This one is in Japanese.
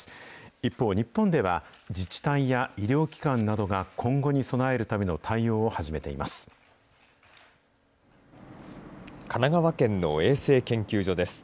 一方、日本では自治体や医療機関などが今後に備えるための対応を神奈川県の衛生研究所です。